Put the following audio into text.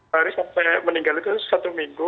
hari sampai meninggal itu satu minggu